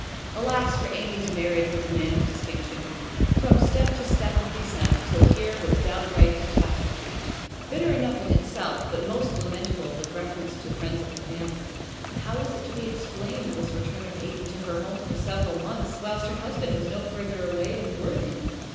Alas for Amy's marriage with a man of distinction! From step to step of descent, till here was downright catastrophe. Bitter enough in itself, but most lamentable with reference to the friends of the family. How was it to be explained, this return of Amy to her home for several months, whilst her husband was no further away than Worthing?